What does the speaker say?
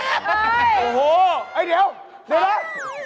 เฮ่ยโอ้โฮไอ้เดี๋ยวเดี๋ยวนะ